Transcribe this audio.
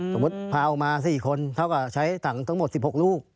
พาออกมา๔คนเท่ากับใช้ถังทั้งหมด๑๖ลูก